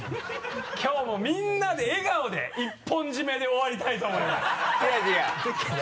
きょうもみんなで笑顔で一本締めで終わりたいと思います。